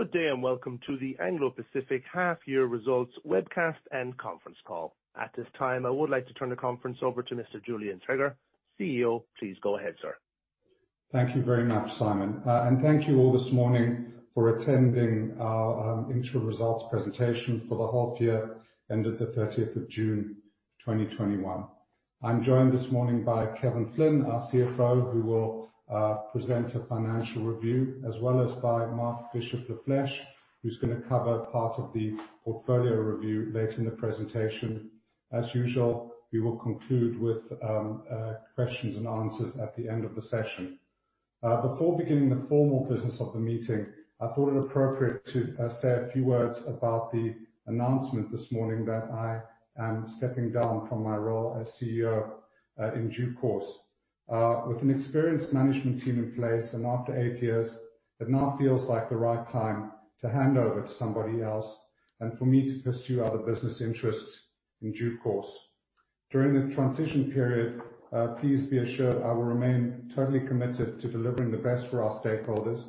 Good day. Welcome to the Anglo Pacific half year results webcast and conference call. At this time, I would like to turn the conference over to Mr. Julian Treger, CEO. Please go ahead, sir. Thank you very much, Simon. Thank you all this morning for attending our interim results presentation for the half year ended the 30th of June 2021. I am joined this morning by Kevin Flynn, our CFO, who will present a financial review, as well as by Marc Bishop Lafleche, who is going to cover part of the portfolio review later in the presentation. As usual, we will conclude with questions and answers at the end of the session. Before beginning the formal business of the meeting, I thought it appropriate to say a few words about the announcement this morning that I am stepping down from my role as CEO in due course. With an experienced management team in place and after eight years, it now feels like the right time to hand over to somebody else and for me to pursue other business interests in due course. During the transition period, please be assured I will remain totally committed to delivering the best for our stakeholders,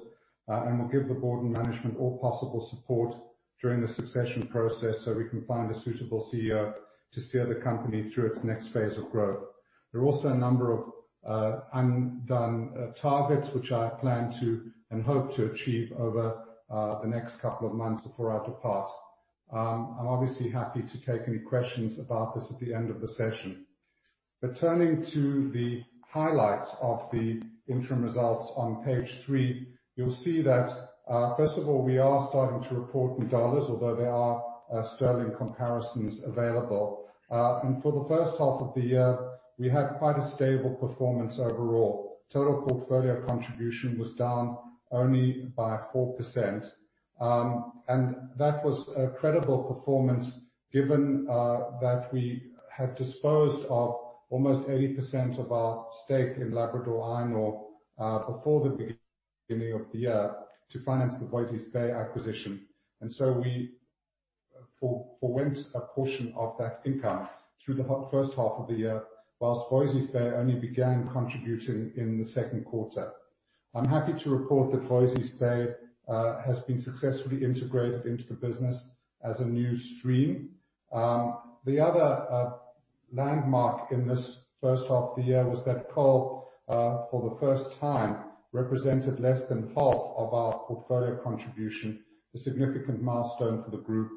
and will give the board and management all possible support during the succession process so we can find a suitable CEO to steer the company through its next phase of growth. There are also a number of undone targets which I plan to and hope to achieve over the next couple of months before I depart. I'm obviously happy to take any questions about this at the end of the session. Turning to the highlights of the interim results on page three, you'll see that, first of all, we are starting to report in dollars, although there are sterling comparisons available. For the first half of the year, we had quite a stable performance overall. Total portfolio contribution was down only by 4%. That was a credible performance given that we had disposed of almost 80% of our stake in Labrador Iron Ore before the beginning of the year to finance the Voisey's Bay acquisition. We forwent a portion of that income through the first half of the year, whilst Voisey's Bay only began contributing in the second quarter. I'm happy to report that Voisey's Bay has been successfully integrated into the business as a new stream. The other landmark in this first half of the year was that coal, for the first time, represented less than half of our portfolio contribution, a significant milestone for the group,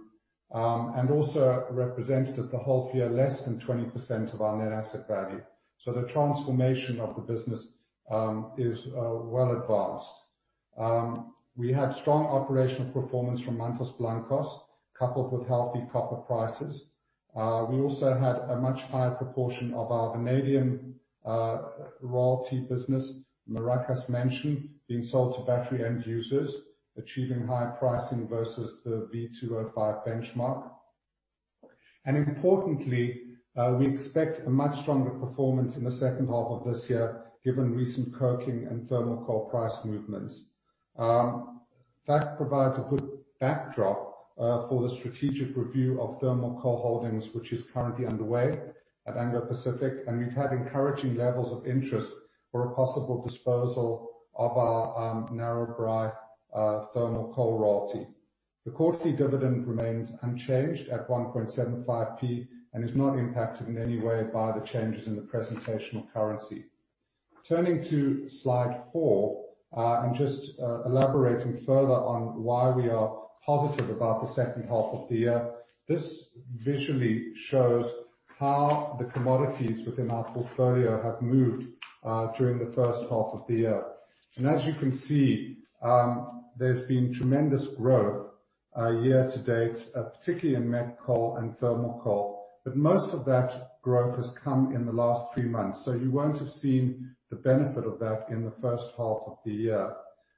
and also represented at the half year less than 20% of our net asset value. The transformation of the business is well advanced. We had strong operational performance from Mantos Blancos, coupled with healthy copper prices. We also had a much higher proportion of our vanadium royalty business, Maracás Menchen, being sold to battery end users, achieving higher pricing versus the V2O5 benchmark. Importantly, we expect a much stronger performance in the second half of this year given recent coking and thermal coal price movements. That provides a good backdrop for the strategic review of thermal coal holdings, which is currently underway at Anglo Pacific, and we've had encouraging levels of interest for a possible disposal of our Narrabri thermal coal royalty. The quarterly dividend remains unchanged at 1.75p and is not impacted in any way by the changes in the presentational currency. Turning to slide four, just elaborating further on why we are positive about the second half of the year. This visually shows how the commodities within our portfolio have moved during the first half of the year. As you can see, there's been tremendous growth year-to-date, particularly in met coal and thermal coal. Most of that growth has come in the last three months. You won't have seen the benefit of that in the first half of the year.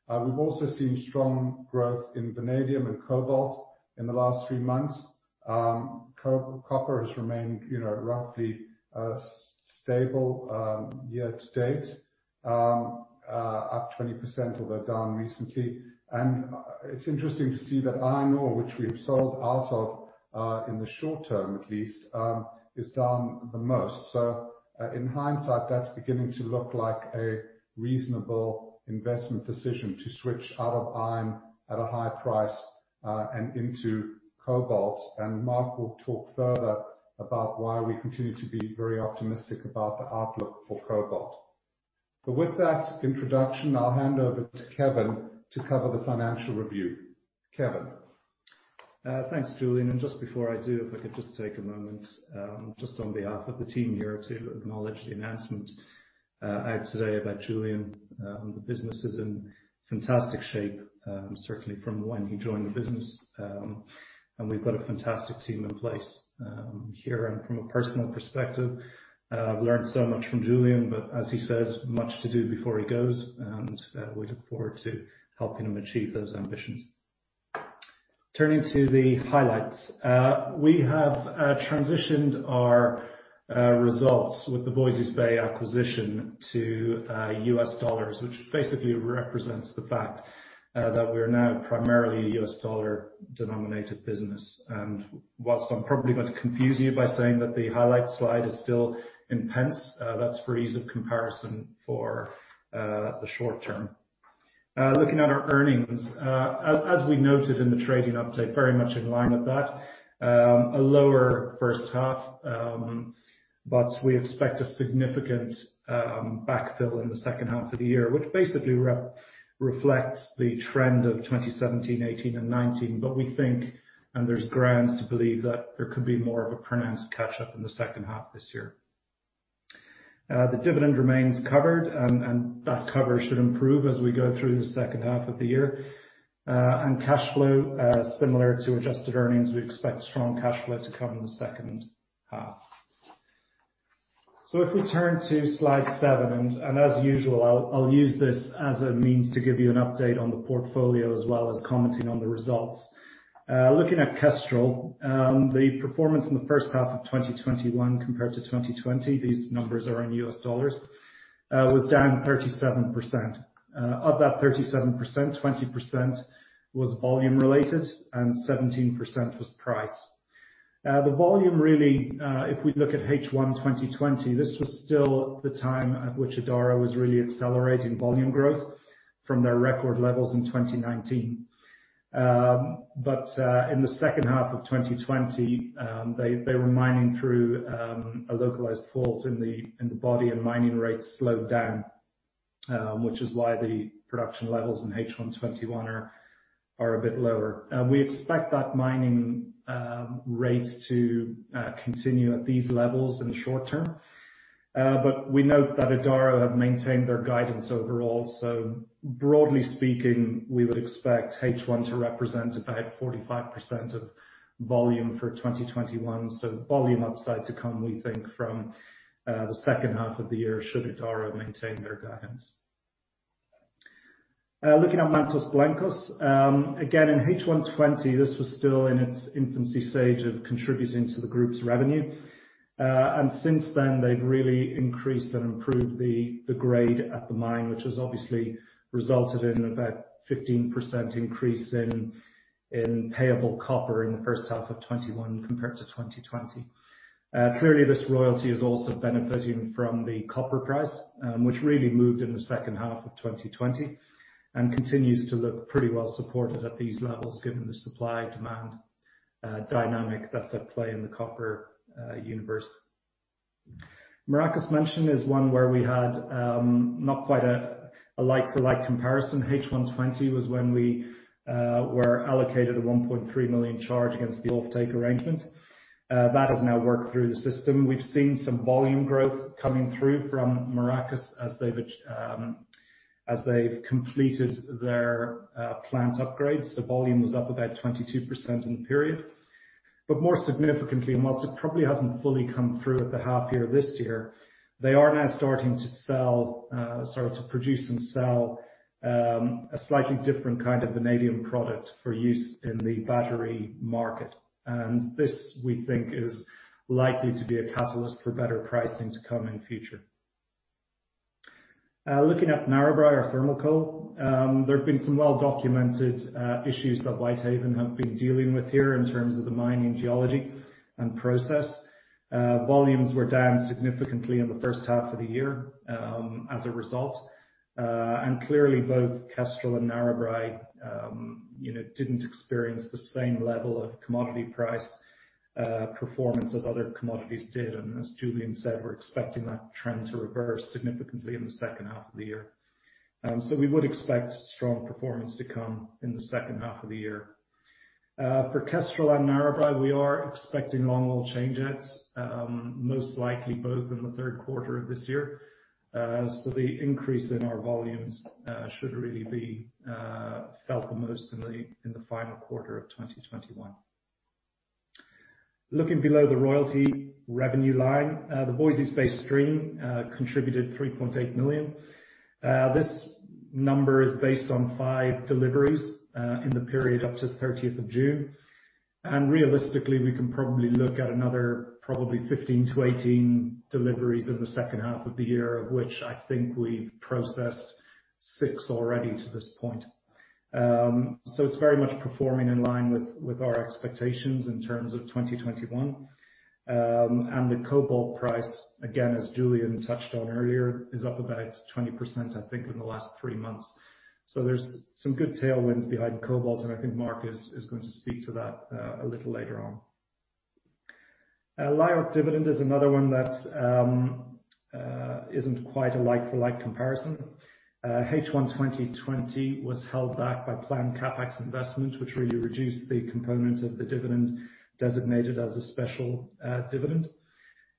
We've also seen strong growth in vanadium and cobalt in the last three months. Copper has remained roughly stable year-to-date, up 20% although down recently. It's interesting to see that iron ore, which we have sold out of, in the short term at least, is down the most. In hindsight, that's beginning to look like a reasonable investment decision to switch out of iron at a high price and into cobalt. Marc will talk further about why we continue to be very optimistic about the outlook for cobalt. With that introduction, I'll hand over to Kevin to cover the financial review. Kevin. Thanks, Julian. Just before I do, if I could just take a moment, just on behalf of the team here, to acknowledge the announcement out today about Julian. The business is in fantastic shape, certainly from when he joined the business. We've got a fantastic team in place here. From a personal perspective, I've learned so much from Julian, but as he says, much to do before he goes, and we look forward to helping him achieve those ambitions. Turning to the highlights. We have transitioned our results with the Voisey's Bay acquisition to US dollars, which basically represents the fact that we are now primarily a USD denominated business. While I'm probably going to confuse you by saying that the highlight slide is still in pence, that's for ease of comparison for the short term. Looking at our earnings, as we noted in the trading update, very much in line with that, a lower first half, but we expect a significant backfill in the second half of the year, which basically reflects the trend of 2017, 2018, and 2019. We think, and there's grounds to believe that there could be more of a pronounced catch-up in the second half this year. The dividend remains covered, and that cover should improve as we go through the second half of the year. Cash flow, similar to adjusted earnings, we expect strong cash flow to come in the second half. If we turn to slide seven, and as usual, I'll use this as a means to give you an update on the portfolio as well as commenting on the results. Looking at Kestrel, the performance in the first half of 2021 compared to 2020, these numbers are in US dollars, was down 37%. Of that 37%, 20% was volume related and 17% was price. The volume really, if we look at H1 2020, this was still the time at which Adaro was really accelerating volume growth from their record levels in 2019. In the second half of 2020, they were mining through a localized fault in the body and mining rates slowed down, which is why the production levels in H1 2021 are a bit lower. We expect that mining rate to continue at these levels in the short term. We note that Adaro have maintained their guidance overall. Broadly speaking, we would expect H1 to represent about 45% of volume for 2021. Volume upside to come, we think, from the second half of the year should Adaro maintain their guidance. Looking at Mantos Blancos. Again, in H1 2020, this was still in its infancy stage of contributing to the group's revenue. Since then, they've really increased and improved the grade at the mine, which has obviously resulted in about 15% increase in payable copper in the first half of 2021 compared to 2020. Clearly, this royalty is also benefiting from the copper price, which really moved in the second half of 2020 and continues to look pretty well supported at these levels given the supply-demand dynamic that's at play in the copper universe. Maracás Menchen is one where we had not quite a like-for-like comparison. H1 2020 was when we were allocated a $1.3 million charge against the offtake arrangement. That has now worked through the system. We've seen some volume growth coming through from Maracas as they've completed their plant upgrades. Volume was up about 22% in the period. More significantly, whilst it probably hasn't fully come through at the half year this year, they are now starting to produce and sell a slightly different kind of vanadium product for use in the battery market. This, we think, is likely to be a catalyst for better pricing to come in future. Looking at Narrabri or Thermal Coal, there have been some well-documented issues that Whitehaven have been dealing with here in terms of the mining geology and process. Volumes were down significantly in the first half of the year as a result. Clearly, both Kestrel and Narrabri didn't experience the same level of commodity price performance as other commodities did. As Julian said, we're expecting that trend to reverse significantly in the second half of the year. We would expect strong performance to come in the second half of the year. For Kestrel and Narrabri, we are expecting long-haul changeouts, most likely both in the third quarter of this year. The increase in our volumes should really be felt the most in the final quarter of 2021. Looking below the royalty revenue line, the Voisey's Bay stream contributed $3.8 million. This number is based on five deliveries in the period up to 30th of June. Realistically, we can probably look at another 15-18 deliveries in the second half of the year, of which I think we've processed six already to this point. It's very much performing in line with our expectations in terms of 2021. The cobalt price, again, as Julian Treger touched on earlier, is up about 20%, I think, in the last three months. There's some good tailwinds behind cobalt, and I think Mark is going to speak to that a little later on. LIORC dividend is another one that isn't quite a like-for-like comparison. H1 2020 was held back by planned CapEx investment, which really reduced the component of the dividend designated as a special dividend.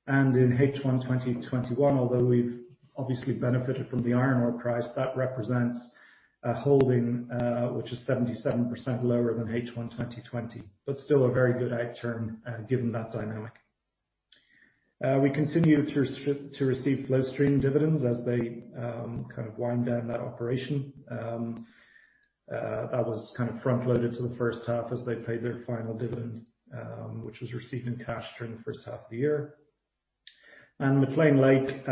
In H1 2021, although we've obviously benefited from the iron ore price, that represents a holding which is 77% lower than H1 2020, but still a very good outturn given that dynamic. We continue to receive FlowStream dividends as they kind of wind down that operation. That was kind of front-loaded to the first half as they paid their final dividend, which was received in cash during the first half of the year. McLean Lake,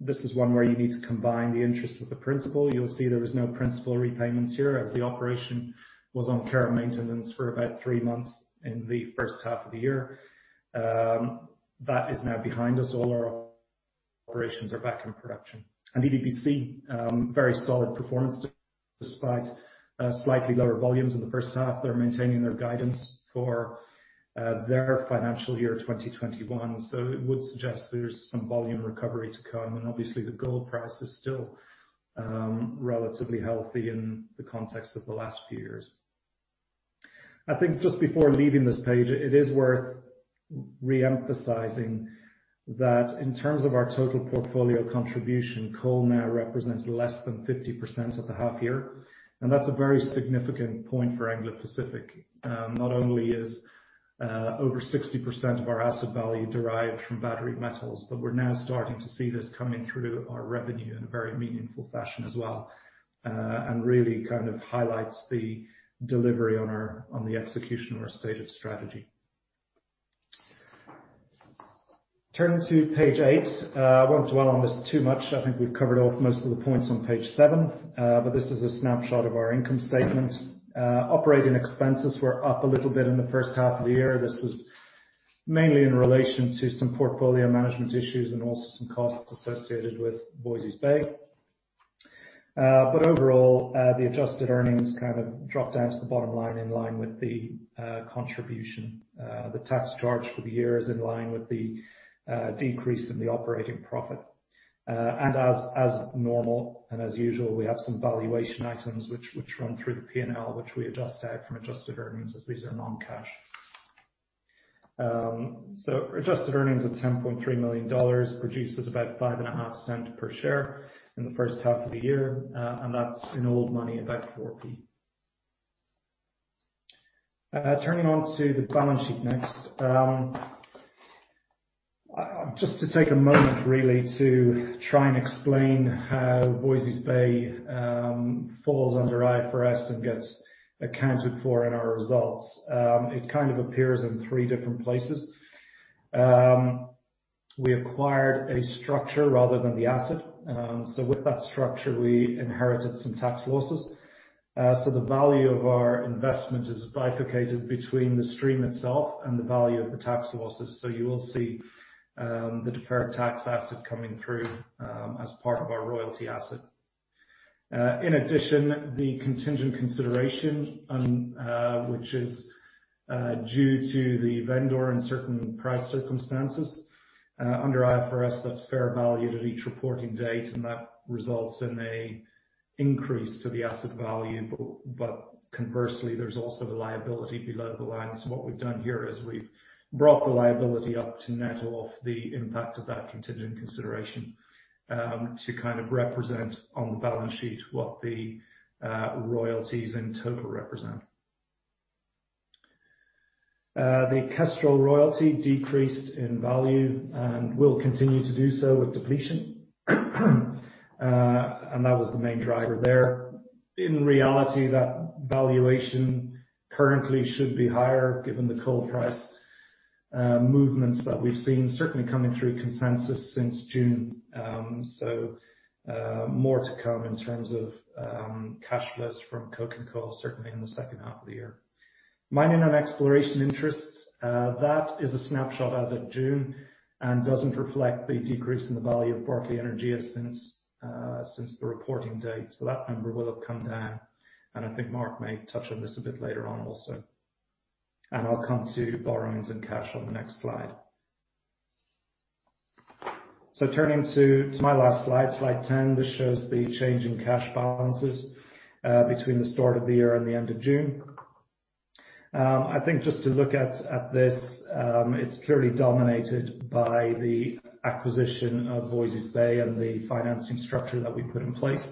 this is one where you need to combine the interest with the principal. You'll see there was no principal repayments here as the operation was on care and maintenance for about three months in the first half of the year. That is now behind us. All our operations are back in production. EVBC, very solid performance despite slightly lower volumes in the first half. They're maintaining their guidance for their financial year 2021. It would suggest there's some volume recovery to come. Obviously the gold price is still relatively healthy in the context of the last few years. I think just before leaving this page, it is worth re-emphasizing that in terms of our total portfolio contribution, coal now represents less than 50% of the half year, and that's a very significant point for Anglo Pacific. Not only is over 60% of our asset value derived from battery metals, but we're now starting to see this coming through our revenue in a very meaningful fashion as well, and really kind of highlights the delivery on the execution of our stated strategy. Turning to page eight. I won't dwell on this too much. I think we've covered off most of the points on page seven. This is a snapshot of our income statement. Operating expenses were up a little bit in the first half of the year. This was mainly in relation to some portfolio management issues and also some costs associated with Voisey's Bay. Overall, the adjusted earnings kind of dropped down to the bottom line in line with the contribution. The tax charge for the year is in line with the decrease in the operating profit. As normal and as usual, we have some valuation items which run through the P&L, which we adjust out from adjusted earnings, as these are non-cash. Adjusted earnings of $10.3 million produces about $0.055 per share in the first half of the year. That's in old money, about 0.04. Turning on to the balance sheet next. Just to take a moment really to try and explain how Voisey's Bay falls under IFRS and gets accounted for in our results. It kind of appears in three different places. We acquired a structure rather than the asset. With that structure, we inherited some tax losses. The value of our investment is bifurcated between the stream itself and the value of the tax losses. You will see the deferred tax asset coming through as part of our royalty asset. In addition, the contingent consideration which is due to the vendor in certain price circumstances, under IFRS, that's fair value at each reporting date and that results in an increase to the asset value. Conversely, there's also the liability below the line. What we've done here is we've brought the liability up to net off the impact of that contingent consideration to kind of represent on the balance sheet what the royalties in total represent. The Kestrel royalty decreased in value and will continue to do so with depletion. That was the main driver there. In reality, that valuation currently should be higher given the coal price movements that we've seen certainly coming through consensus since June. More to come in terms of cash flows from coking coal, certainly in the second half of the year. Mining and exploration interests, that is a snapshot as of June and doesn't reflect the decrease in the value of Berkeley Energia since the reporting date. That number will have come down, and I think Marc may touch on this a bit later on also. I'll come to borrowings and cash on the next slide. Turning to my last slide 10, this shows the change in cash balances between the start of the year and the end of June. I think just to look at this, it's clearly dominated by the acquisition of Voisey's Bay and the financing structure that we put in place.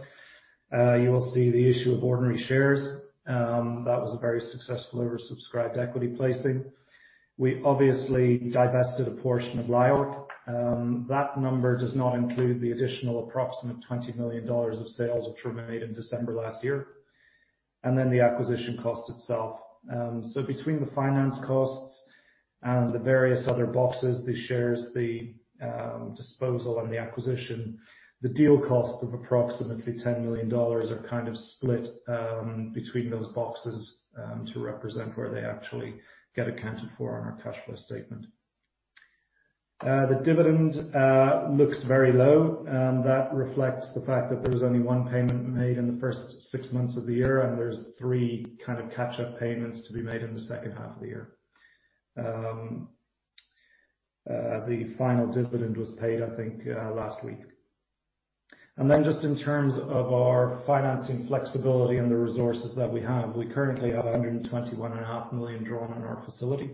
You will see the issue of ordinary shares. That was a very successful oversubscribed equity placing. We obviously divested a portion of LIORC. That number does not include the additional approximate $20 million of sales which were made in December last year. The acquisition cost itself. Between the finance costs and the various other boxes, the shares, the disposal, and the acquisition, the deal costs of approximately $10 million are kind of split between those boxes to represent where they actually get accounted for on our cash flow statement. The dividend looks very low, and that reflects the fact that there was only one payment made in the first six months of the year, and there's three kind of catch-up payments to be made in the second half of the year. The final dividend was paid, I think, last week. In terms of our financing flexibility and the resources that we have, we currently have $121.5 million drawn on our facility.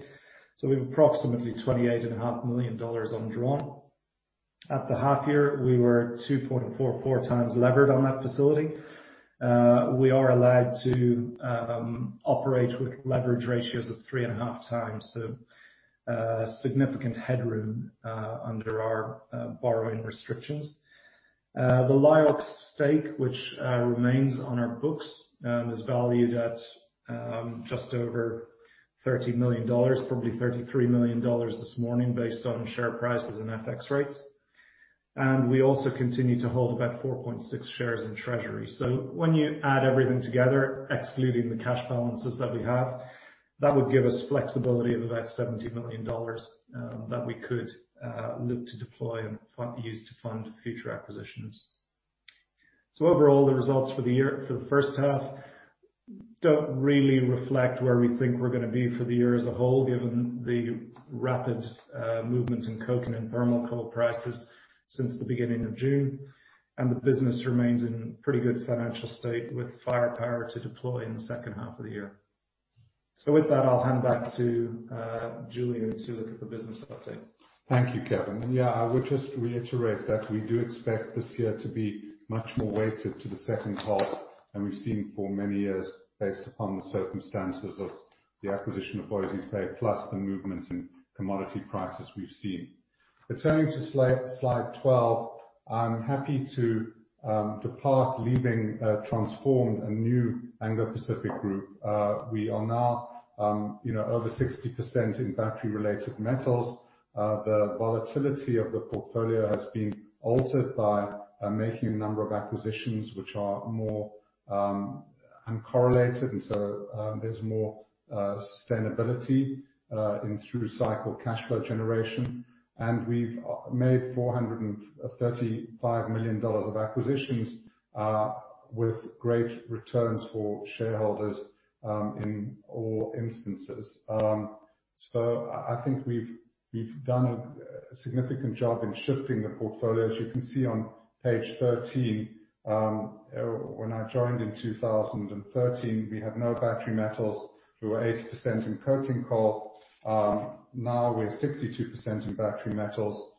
We have approximately $28.5 million undrawn. At the half year, we were 2.44x levered on that facility. We are allowed to operate with leverage ratios of 3.5x, significant headroom under our borrowing restrictions. The LIORC stake, which remains on our books, is valued at just over $30 million, probably $33 million this morning based on share prices and FX rates. We also continue to hold about 4.6 shares in Treasury. When you add everything together, excluding the cash balances that we have, that would give us flexibility of about $70 million that we could look to deploy and use to fund future acquisitions. Overall, the results for the first half don't really reflect where we think we're going to be for the year as a whole, given the rapid movement in coking and thermal coal prices since the beginning of June, and the business remains in pretty good financial state, with firepower to deploy in the second half of the year. With that, I'll hand back to Julian to look at the business update. Thank you, Kevin. Yeah, I would just reiterate that we do expect this year to be much more weighted to the second half. We've seen for many years, based upon the circumstances of the acquisition of Voisey's Bay, plus the movements in commodity prices we've seen. Turning to slide 12, I'm happy to depart, leaving a transformed and new Anglo Pacific Group. We are now over 60% in battery-related metals. The volatility of the portfolio has been altered by making a number of acquisitions which are more uncorrelated, and so there's more sustainability in through cycle cash flow generation. We've made $435 million of acquisitions, with great returns for shareholders in all instances. I think we've done a significant job in shifting the portfolio. As you can see on page 13, when I joined in 2013, we had no battery metals. We were 80% in coking coal. Now we're 62% in battery metals.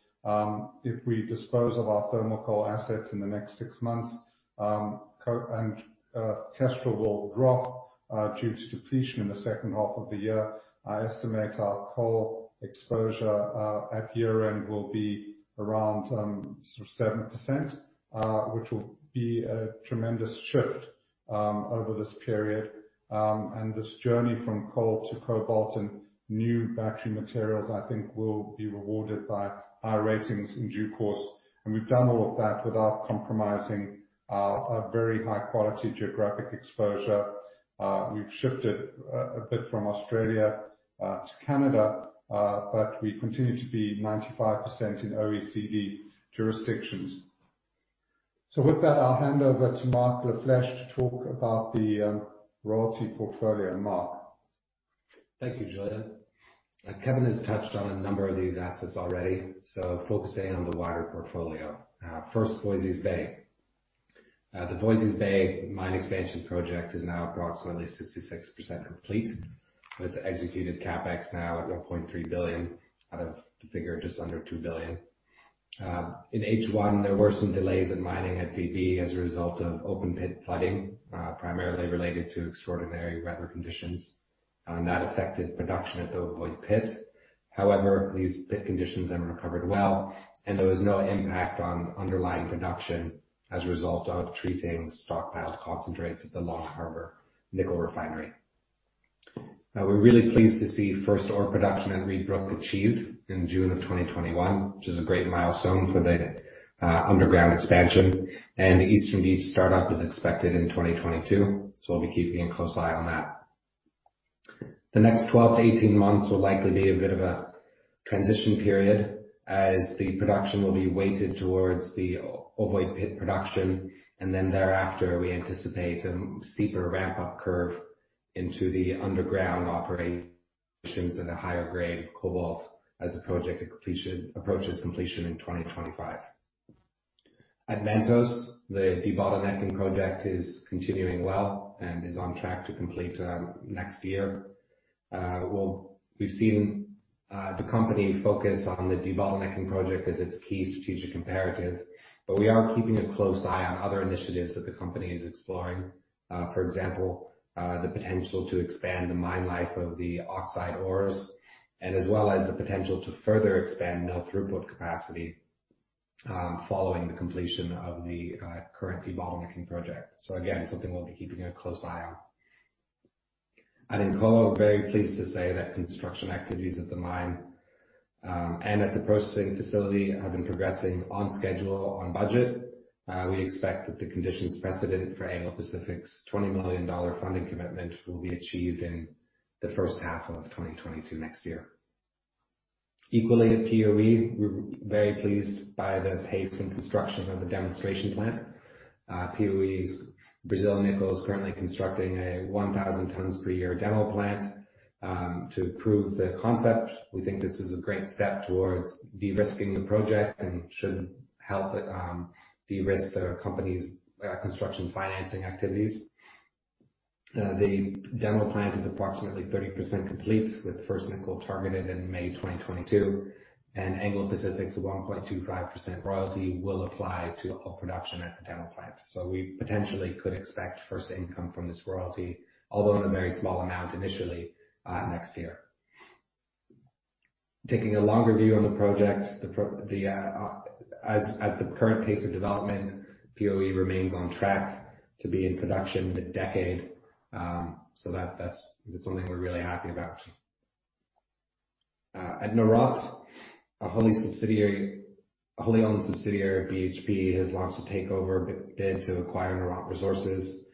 If we dispose of our thermal coal assets in the next six months, Kestrel will drop due to depletion in the second half of the year. I estimate our coal exposure at year-end will be around 7%, which will be a tremendous shift over this period. This journey from coal to cobalt and new battery materials, I think will be rewarded by high ratings in due course. We've done all of that without compromising our very high-quality geographic exposure. We've shifted a bit from Australia to Canada, but we continue to be 95% in OECD jurisdictions. With that, I'll hand over to Marc Bishop Lafleche to talk about the royalty portfolio. Marc. Thank you, Julian. Kevin has touched on a number of these assets already, focusing on the wider portfolio. First, Voisey's Bay. The Voisey's Bay mine expansion project is now approximately 66% complete, with executed CapEx now at $1.3 billion out of a figure just under $2 billion. In H1, there were some delays in mining at VB as a result of open pit flooding, primarily related to extraordinary weather conditions. That affected production at the Ovoid Pit. However, these pit conditions then recovered well, and there was no impact on underlying production as a result of treating stockpiled concentrates at the Long Harbour Nickel Refinery. We're really pleased to see first ore production at Reid Brook achieved in June of 2021, which is a great milestone for the underground expansion. Eastern Deeps startup is expected in 2022, we'll be keeping a close eye on that. The next 12-18 months will likely be a bit of a transition period as the production will be weighted towards the Ovoid Pit production, and then thereafter, we anticipate a steeper ramp-up curve into the underground operations at a higher grade of cobalt as the project approaches completion in 2025. At Mantos Blancos, the debottlenecking project is continuing well and is on track to complete next year. We've seen the company focus on the debottlenecking project as its key strategic imperative. We are keeping a close eye on other initiatives that the company is exploring. For example, the potential to expand the mine life of the oxide ores, and as well as the potential to further expand mill throughput capacity, following the completion of the current debottlenecking project. Again, something we'll be keeping a close eye on. At Incoa, very pleased to say that construction activities at the mine, and at the processing facility, have been progressing on schedule, on budget. We expect that the conditions precedent for Anglo Pacific's $20 million funding commitment will be achieved in the first half of 2022 next year. Equally at Piauí, we're very pleased by the pace and construction of the demonstration plant. Piauí's Brazilian Nickel is currently constructing a 1,000 tonnes per year demo plant to prove the concept. We think this is a great step towards de-risking the project and should help de-risk the company's construction financing activities. The demo plant is approximately 30% complete, with first nickel targeted in May 2022, and Anglo Pacific's 1.25% royalty will apply to all production at the demo plant. We potentially could expect first income from this royalty, although in a very small amount initially, next year. Taking a longer view on the project, at the current pace of development, Piauí remains on track to be in production in a decade. That's something we're really happy about. At Noront, a wholly owned subsidiary of BHP, has launched a takeover bid to acquire Noront Resources.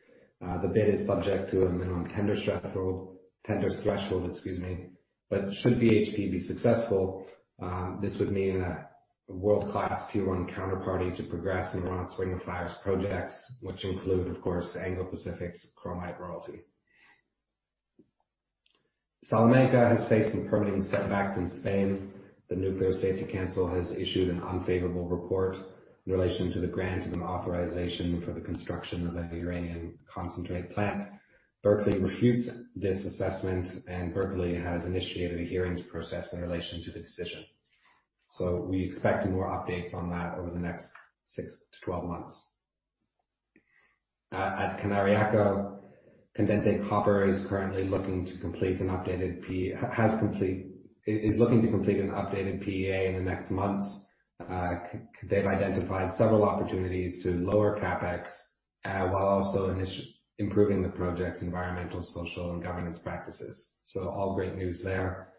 The bid is subject to a minimum tender threshold. Should BHP be successful, this would mean a world-class Tier 1 counterparty to progress Noront's Ring of Fire projects, which include, of course, Ecora Royalties's chromite royalty. Salamanca has faced some permitting setbacks in Spain. The Nuclear Safety Council has issued an unfavorable report in relation to the granting of authorization for the construction of a uranium concentrate plant. Berkeley Energia refutes this assessment. Berkeley Energia has initiated a hearings process in relation to the decision. We expect more updates on that over the next six to 12 months. At Cañariaco, Candente Copper is looking to complete an updated PEA in the next months. They've identified several opportunities to lower CapEx, while also improving the project's environmental, social, and governance practices. All great news there.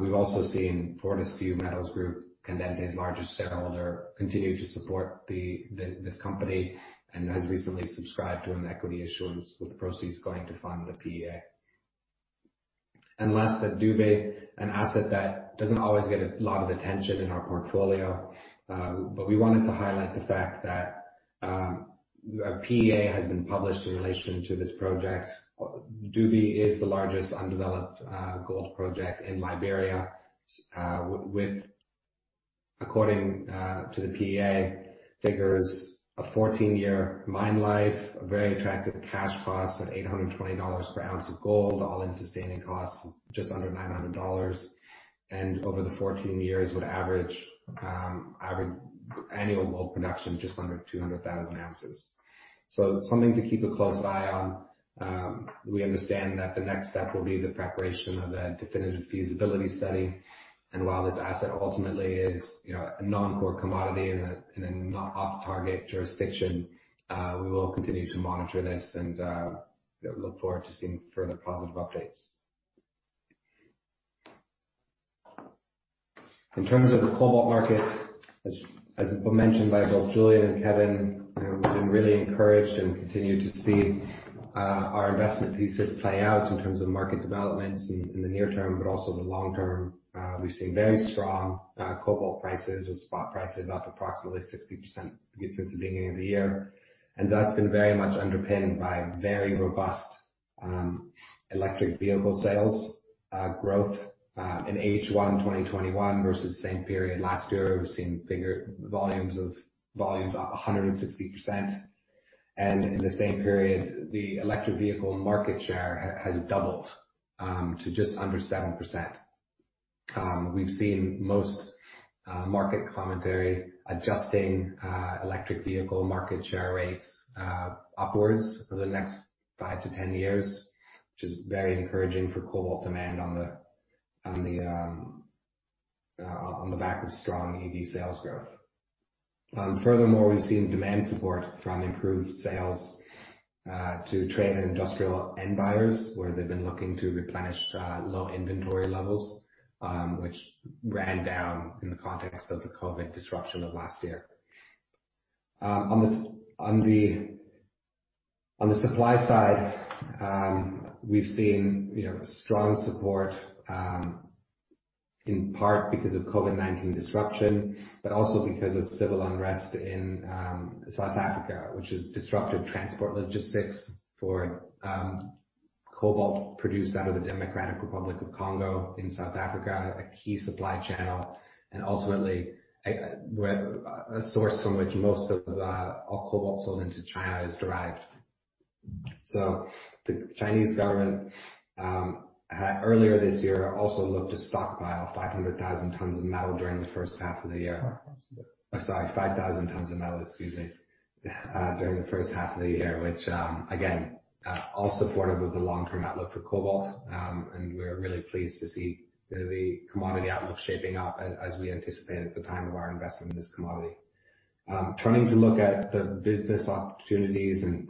We've also seen Fortescue Metals Group, Candente's largest shareholder, continue to support this company, and has recently subscribed to an equity issuance with the proceeds going to fund the PEA. Last, at Dugbe, an asset that doesn't always get a lot of attention in our portfolio. We wanted to highlight the fact that a PEA has been published in relation to this project. Dugbe is the largest undeveloped gold project in Liberia, with, according to the PEA figures, a 14-year mine life, a very attractive cash cost of $820 per ounce of gold, all-in sustaining costs just under $900. Over the 14 years would average annual gold production just under 200,000 ounces. Something to keep a close eye on. We understand that the next step will be the preparation of a definitive feasibility study. While this asset ultimately is a non-core commodity in a not off-target jurisdiction, we will continue to monitor this and look forward to seeing further positive updates. In terms of the cobalt market, as mentioned by both Julian and Kevin, we've been really encouraged and continue to see our investment thesis play out in terms of market developments in the near term, but also the long term. We've seen very strong cobalt prices with spot prices up approximately 60% since the beginning of the year. That's been very much underpinned by very robust electric vehicle sales growth in H1 2021 versus the same period last year. We've seen volumes up 160%. In the same period, the electric vehicle market share has doubled to just under 7%. We've seen most market commentary adjusting electric vehicle market share rates upwards over the next five to 10 years, which is very encouraging for cobalt demand on the back of strong EV sales growth. We've seen demand support from improved sales to trade and industrial end buyers where they've been looking to replenish low inventory levels, which ran down in the context of the COVID-19 disruption of last year. On the supply side, we've seen strong support in part because of COVID-19 disruption, but also because of civil unrest in South Africa, which has disrupted transport logistics for cobalt produced out of the Democratic Republic of Congo in South Africa, a key supply channel and ultimately, a source from which most of the cobalt sold into China is derived. The Chinese government earlier this year also looked to stockpile 500,000 tons of metal during the first half of the year. 5,000. Sorry, 5,000 tons of metal, excuse me, during the first half of the year, which again, all supportive of the long-term outlook for cobalt. We're really pleased to see the commodity outlook shaping up as we anticipated at the time of our investment in this commodity. Turning to look at the business opportunities and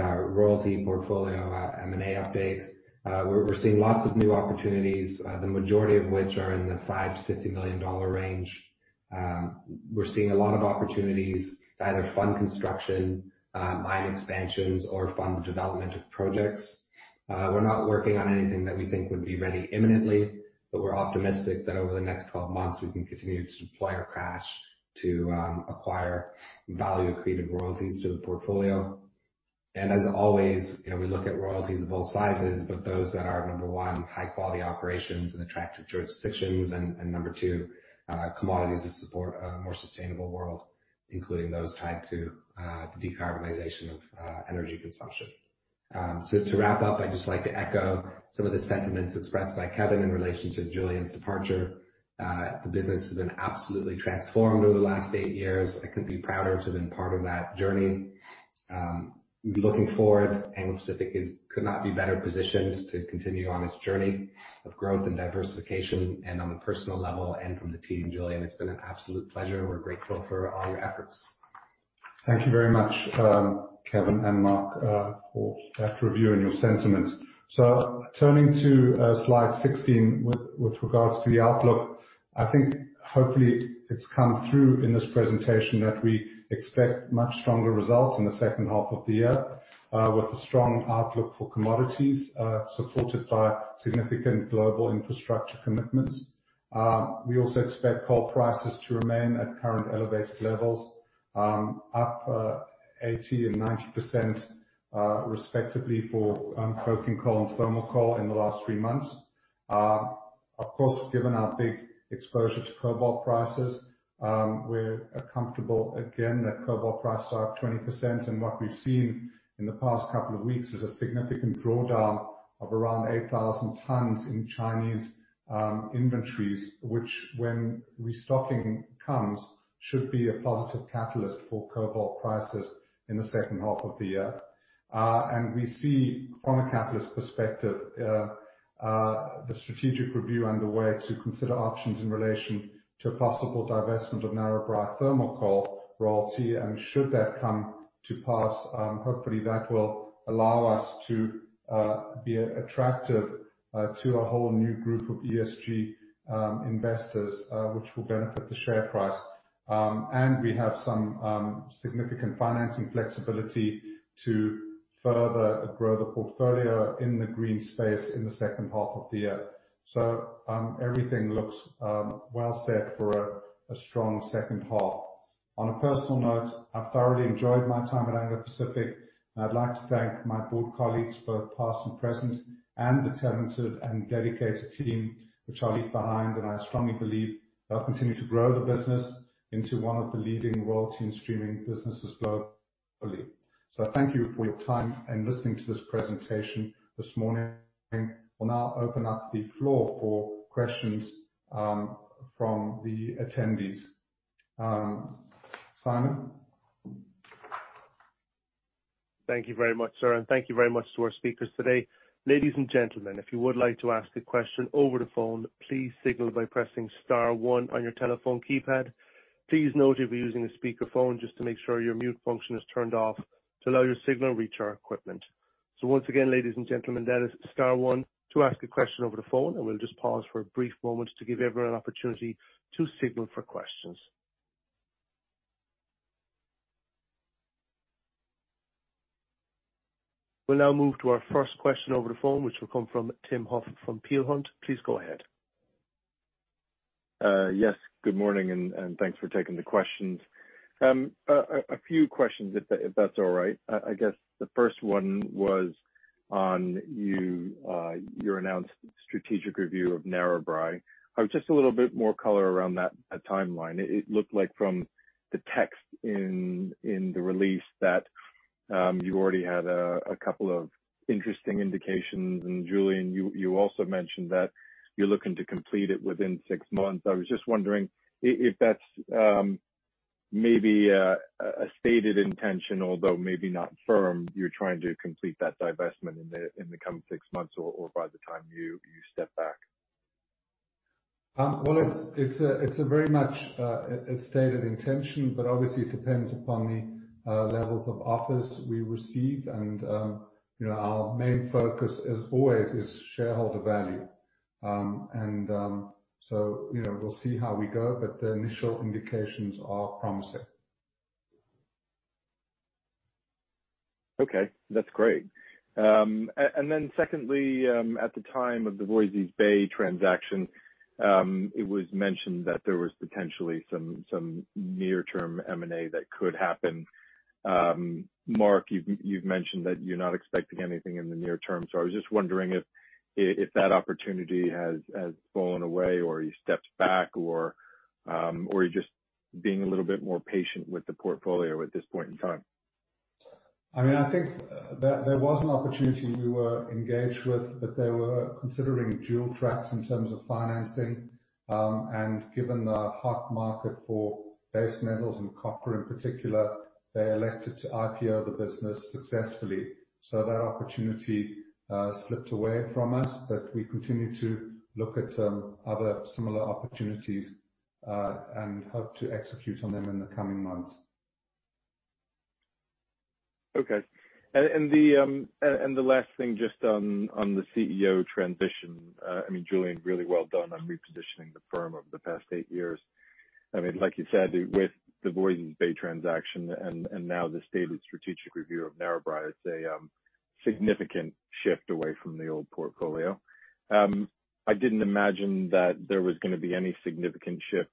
our royalty portfolio, our M&A update. We're seeing lots of new opportunities, the majority of which are in the GBP 5 million-GBP 50 million range. We're seeing a lot of opportunities to either fund construction, mine expansions, or fund the development of projects. We're not working on anything that we think would be ready imminently, but we're optimistic that over the next 12 months, we can continue to deploy our cash to acquire value accretive royalties to the portfolio. As always, we look at royalties of all sizes, but those that are, number one, high quality operations and attractive jurisdictions. Number two, commodities that support a more sustainable world, including those tied to the decarbonization of energy consumption. To wrap up, I'd just like to echo some of the sentiments expressed by Kevin in relation to Julian's departure. The business has been absolutely transformed over the last eight years. I couldn't be prouder to have been part of that journey. Looking forward, Anglo Pacific could not be better positioned to continue on its journey of growth and diversification. On a personal level, and from the team, Julian, it's been an absolute pleasure. We're grateful for all your efforts. Thank you very much, Kevin and Mark, for that review and your sentiments. Turning to slide 16 with regards to the outlook, I think hopefully it's come through in this presentation that we expect much stronger results in the second half of the year, with a strong outlook for commodities, supported by significant global infrastructure commitments. We also expect coal prices to remain at current elevated levels, up 80% and 90%, respectively for coking coal and thermal coal in the last three months. Of course, given our big exposure to cobalt prices, we're comfortable again that cobalt prices are up 20%. What we've seen in the past couple of weeks is a significant drawdown of around 8,000 tons in Chinese inventories, which when restocking comes, should be a positive catalyst for cobalt prices in the second half of the year. We see from a catalyst perspective, the strategic review underway to consider options in relation to a possible divestment of Narrabri Thermal Coal Royalty. Should that come to pass, hopefully that will allow us to be attractive to a whole new group of ESG investors, which will benefit the share price. We have some significant financing flexibility to further grow the portfolio in the green space in the second half of the year. Everything looks well set for a strong second half. On a personal note, I've thoroughly enjoyed my time at Anglo Pacific, and I'd like to thank my board colleagues, both past and present, and the talented and dedicated team which I leave behind, and I strongly believe they'll continue to grow the business into one of the leading royalty and streaming businesses globally. Thank you for your time in listening to this presentation this morning. We'll now open up the floor for questions from the attendees. Simon? Thank you very much, sir, and thank you very much to our speakers today. Ladies and gentlemen, if you would like to ask a question over the phone, please signal by pressing star one on your telephone keypad. Please note if you're using a speakerphone, just to make sure your mute function is turned off to allow your signal to reach our equipment. Once again, ladies and gentlemen, that is star one to ask a question over the phone, and we'll just pause for a brief moment to give everyone an opportunity to signal for questions. We'll now move to our first question over the phone, which will come from Tim Huff from Peel Hunt. Please go ahead. Yes, good morning, thanks for taking the questions. A few questions, if that's all right. I guess the first one was on your announced strategic review of Narrabri. Just a little bit more color around that timeline. It looked like from the text in the release that you already had a couple of interesting indications. Julian, you also mentioned that you're looking to complete it within six months. I was just wondering if that's maybe a stated intention, although maybe not firm, you're trying to complete that divestment in the coming six months or by the time you step back. Well, it's very much a stated intention, but obviously it depends upon the levels of offers we receive. Our main focus is always is shareholder value. We'll see how we go, but the initial indications are promising. Okay, that's great. Secondly, at the time of the Voisey's Bay transaction, it was mentioned that there was potentially some near-term M&A that could happen. Marc, you've mentioned that you're not expecting anything in the near term, I was just wondering if that opportunity has fallen away or you stepped back or you're just being a little bit more patient with the portfolio at this point in time. I think there was an opportunity we were engaged with, but they were considering dual tracks in terms of financing. Given the hot market for base metals and copper in particular, they elected to IPO the business successfully. That opportunity slipped away from us. We continue to look at other similar opportunities, and hope to execute on them in the coming months. Okay. The last thing just on the CEO transition. Julian, really well done on repositioning the firm over the past eight years. Like you said, with the Voisey's Bay transaction and now the stated strategic review of Narrabri, it's a significant shift away from the old portfolio. I didn't imagine that there was going to be any significant shift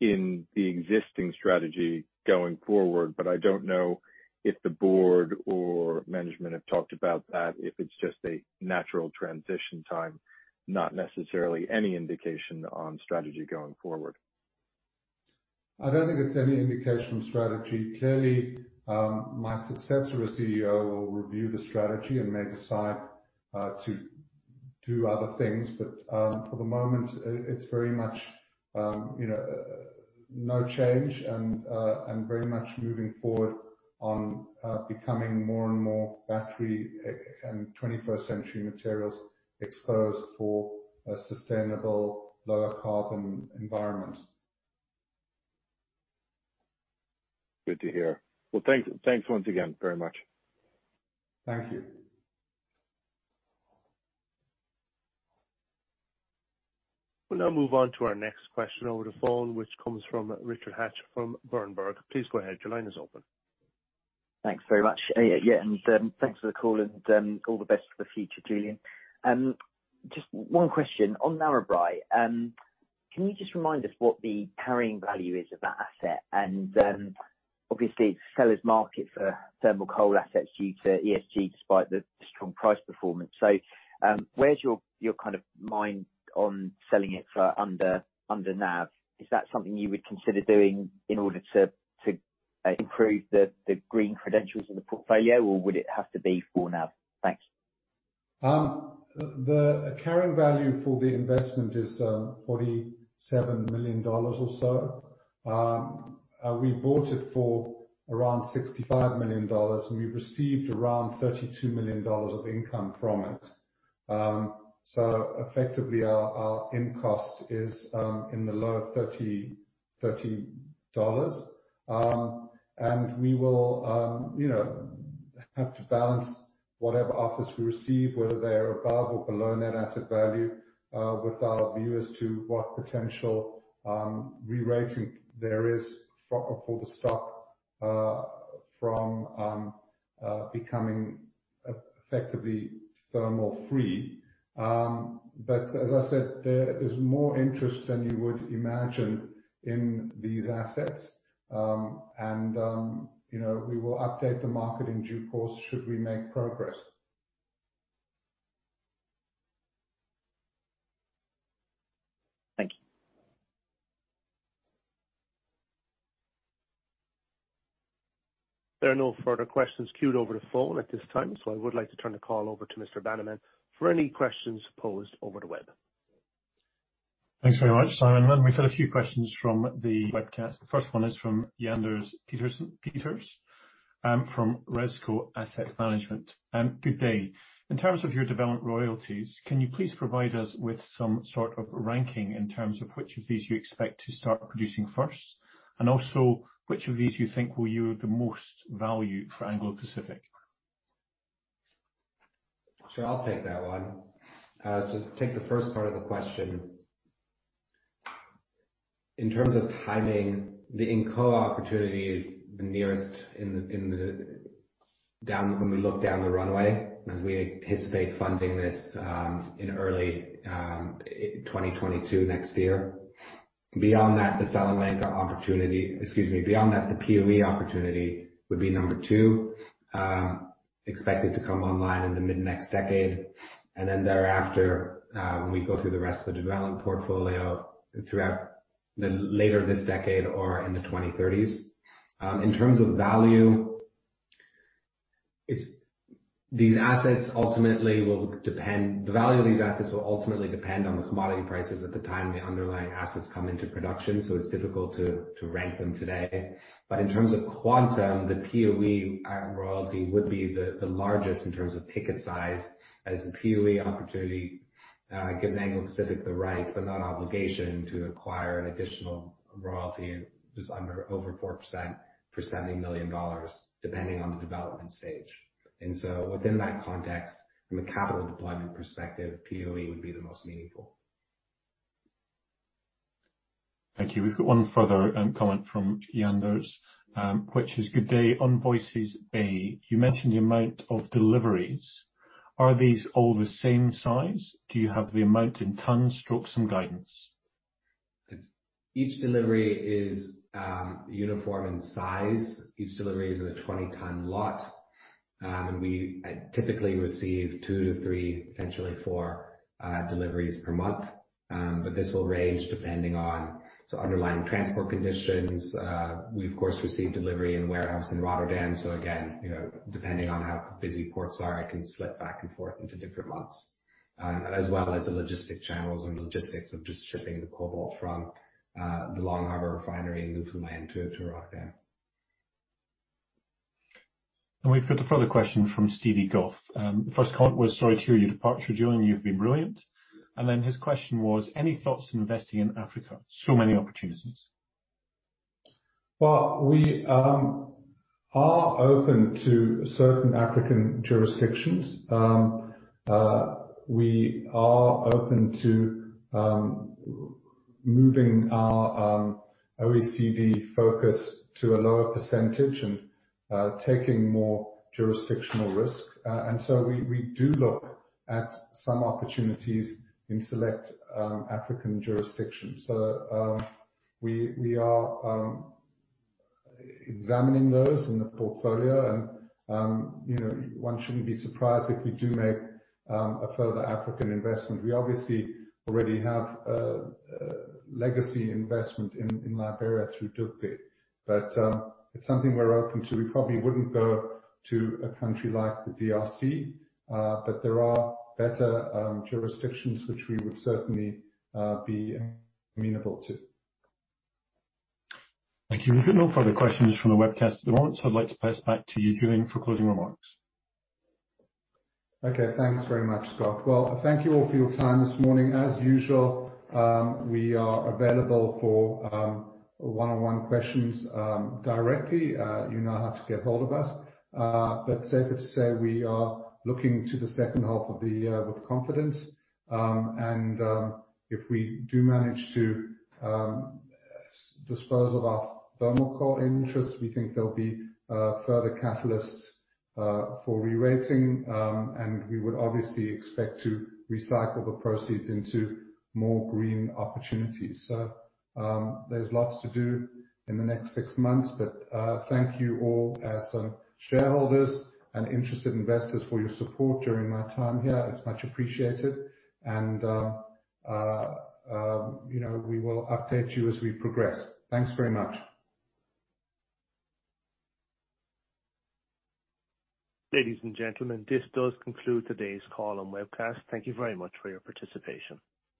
in the existing strategy going forward. I don't know if the board or management have talked about that, if it's just a natural transition time, not necessarily any indication on strategy going forward. I don't think it's any indication of strategy. Clearly, my successor as CEO will review the strategy and may decide to do other things. For the moment, it's very much no change and very much moving forward on becoming more and more battery and 21st century materials exposed for a sustainable lower carbon environment. Good to hear. Well, thanks once again very much. Thank you. We'll now move on to our next question over the phone, which comes from Richard Hatch from Berenberg. Please go ahead. Your line is open. Thanks very much. Yeah, and thanks for the call and all the best for the future, Julian. Just one question. On Narrabri, can you just remind us what the carrying value is of that asset? Obviously it's a seller's market for thermal coal assets due to ESG, despite the strong price performance. Where's your mind on selling it for under NAV? Is that something you would consider doing in order to improve the green credentials of the portfolio, or would it have to be for NAV? Thanks. The carrying value for the investment is $47 million or so. We bought it for around $65 million, and we've received around $32 million of income from it. Effectively, our in-cost is in the lower $30. We will have to balance whatever offers we receive, whether they are above or below net asset value, with our view as to what potential rerating there is for the stock from becoming effectively thermal-free. As I said, there is more interest than you would imagine in these assets. We will update the market in due course should we make progress. Thank you. There are no further questions queued over the phone at this time, so I would like to turn the call over to Mr. Bannerman for any questions posed over the web. Thanks very much, Simon. We've had a few questions from the webcast. The first one is from Anders Petersen from Rezco Asset Management. Good day. In terms of your development royalties, can you please provide us with some sort of ranking in terms of which of these you expect to start producing first, and also which of these you think will yield the most value for Anglo Pacific? Sure. I'll take that one. To take the first part of the question, in terms of timing, the Nkala opportunity is the nearest when we look down the runway, as we anticipate funding this in early 2022, next year. Beyond that, the Piauí opportunity would be number two, expected to come online in the mid-next decade. Thereafter, when we go through the rest of the development portfolio throughout later this decade or in the 2030s. In terms of value, the value of these assets will ultimately depend on the commodity prices at the time the underlying assets come into production, so it's difficult to rank them today. In terms of quantum, the Piauí royalty would be the largest in terms of ticket size, as the Piauí opportunity gives Anglo Pacific the right, but not obligation, to acquire an additional royalty just over 4% per GBP 70 million, depending on the development stage. Within that context, from a capital deployment perspective, Piauí would be the most meaningful. Thank you. We've got one further comment from Anders Petersen, which is, good day. On Voisey's Bay, you mentioned the amount of deliveries. Are these all the same size? Do you have the amount in tons, stroke some guidance? Each delivery is uniform in size. Each delivery is in a 20-ton lot. We typically receive two to three, potentially four, deliveries per month. This will range depending on underlying transport conditions. We of course receive delivery in warehouse in Rotterdam, so again, depending on how busy ports are, it can slip back and forth into different months. As well as the logistic channels and logistics of just shipping the cobalt from the Long Harbour refinery in Luanshya to Rotterdam. We've got a further question from Stephen Goff. First comment was, "Sorry to hear your departure, Julian. You've been brilliant." Then his question was, any thoughts on investing in Africa? So many opportunities. Well, we are open to certain African jurisdictions. We are open to moving our OECD focus to a lower % and taking more jurisdictional risk. We do look at some opportunities in select African jurisdictions. We are examining those in the portfolio and one shouldn't be surprised if we do make a further African investment. We obviously already have a legacy investment in Liberia through Dugbe, but it's something we're open to. We probably wouldn't go to a country like the DRC, but there are better jurisdictions which we would certainly be amenable to. Thank you. We've got no further questions from the webcast at the moment, so I'd like to pass back to you, Julian, for closing remarks. Thanks very much, Scott. Thank you all for your time this morning. As usual, we are available for one-on-one questions directly. You know how to get hold of us. Safe to say we are looking to the second half of the year with confidence. If we do manage to dispose of our thermal coal interests, we think there'll be further catalysts for rerating. We would obviously expect to recycle the proceeds into more green opportunities. There's lots to do in the next six months. Thank you all as shareholders and interested investors for your support during my time here. It's much appreciated. We will update you as we progress. Thanks very much. Ladies and gentlemen, this does conclude today's call and webcast. Thank you very much for your participation.